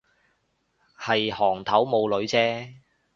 係行頭冇女啫